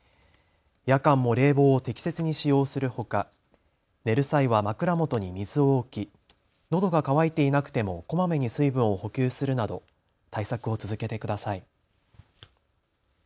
夜間も冷房を適切に使用するほか、寝る際は枕元に水を置きのどが渇いていなくてもこまめに水分を補給するなど対策を続けてください。